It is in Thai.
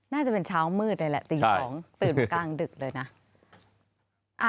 น่าจะเป็นเช้ามืดเลยแหละตี๒ตื่นกลางดึกเลยนะ